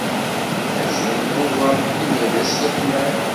Ɛecrin Tubeṛ yella d ass yeḥman.